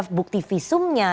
ini bukan bukti visumnya